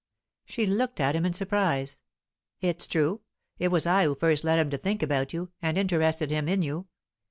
She looked at him in surprise. "It's true. It was I who first led him to think about you, and interested him in you.